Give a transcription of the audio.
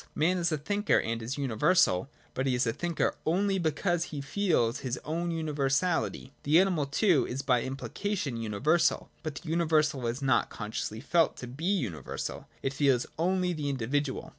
Man is a thinker, and is universal : but he is a thinker only because he feels his own universality. The animal too is by impli cation universal, but the universal is not consciously felt by it to be universal : it feels only the individual.